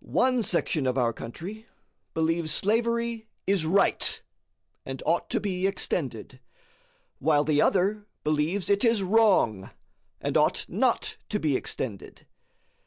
One section of our country believes slavery is RIGHT, and ought to be extended, while the other believes it is WRONG, and ought not to be extended.